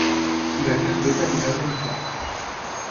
Divendres na Beth anirà a Beniflà.